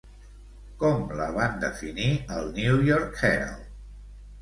Com la van definir al New-York Herald?